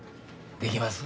できます。